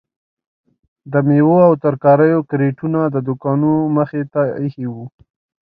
د میوو او ترکاریو کریټونه د دوکانو مخې ته ایښي وو.